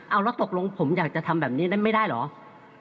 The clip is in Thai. เอาแล้วตกลงผมอยากจะทำแบบนี้นั้นไม่ได้เหรอ